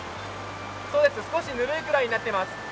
少しぬるいくらいになっています。